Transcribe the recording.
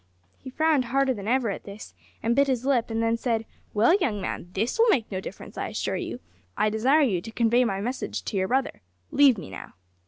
He frowned harder than ever at this, and bit his lip, and then said, `Well, young man, this will make no difference, I assure you. I desire you to convey my message to your brother. Leave me now.'